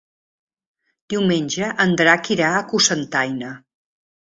Diumenge en Drac irà a Cocentaina.